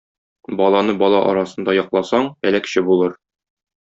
Баланы бала арасында якласаң, әләкче булыр.